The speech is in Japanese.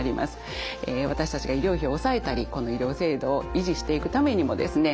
私たちが医療費を抑えたりこの医療制度を維持していくためにもですね